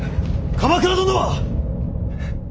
鎌倉殿は！